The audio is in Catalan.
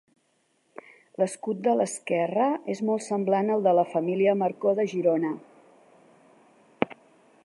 L'escut de l'esquerra és molt semblant al de la família Marcó de Girona.